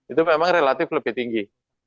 itu memang relatif lebih tinggi